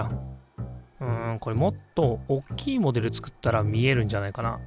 うんこれもっとおっきいモデル作ったら見えるんじゃないかな？